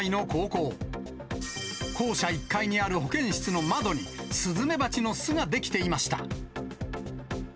校舎１階にある保健室の窓に、スズメバチの巣が出来ていました。